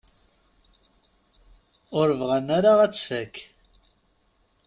Ur bɣan ara ad tfak.